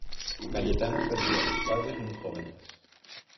Cayetano perdió a sus padres muy jóvenes.